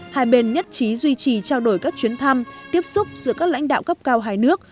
hai bên nhất trí duy trì trao đổi các chuyến thăm tiếp xúc giữa các lãnh đạo cấp cao hai nước